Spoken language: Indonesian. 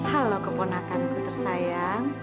halo keponatanku tersayang